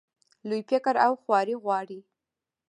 لوی فکر او خواري غواړي.